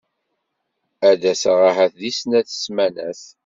A d-aseɣ ahat deg snat ssmanat.